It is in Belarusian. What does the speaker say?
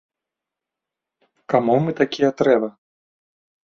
Каму мы такія трэба?